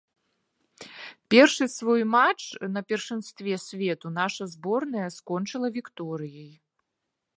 Першы свой матч на першынстве свету наша зборная скончыла вікторыяй.